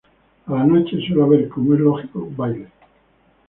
A la noche, suele haber, como es lógico, baile.